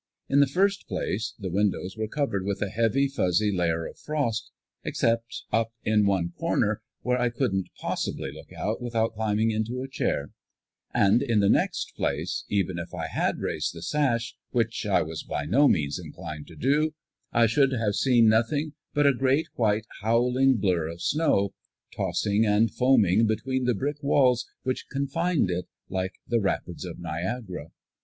In the first place, the windows were covered with a heavy, fuzzy layer of frost, except up in one corner where I couldn't possibly look out without climbing into a chair; and in the next place, even if I had raised the sash, which I was by no means inclined to do, I should have seen nothing but a great, white, howling blur of snow, tossing and foaming between the brick walls which confined it, like the rapids of Niagara.